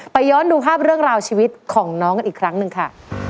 ย้อนดูภาพเรื่องราวชีวิตของน้องกันอีกครั้งหนึ่งค่ะ